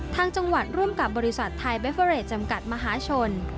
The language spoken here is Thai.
ทางจังหวัดร่วมกับบริษัทไทยเบเฟอเรดจำกัดมหาชน